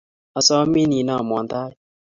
Asomin inomwo tait.